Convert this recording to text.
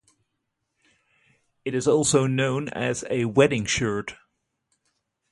It is also known as a "Wedding Shirt".